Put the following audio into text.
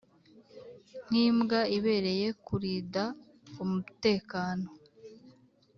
nk'imbwa ibereye kurida umtekano